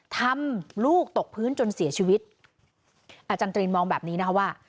ทำลูกตกพื้นจนเสียชีวิตอาจารย์ตรีนมองแบบนี้นะคะว่า